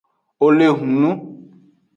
Wole hunun.